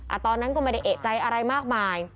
ตอนนั้นก็ไม่ได้เอกใจอะไรมากมาย